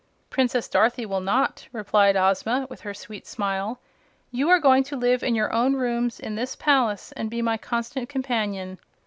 "Princess Dorothy will not," replied Ozma with her sweet smile. "You are going to live in your own rooms in this palace, and be my constant companion."